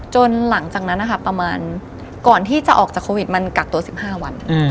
หลังจากนั้นนะคะประมาณก่อนที่จะออกจากโควิดมันกักตัว๑๕วัน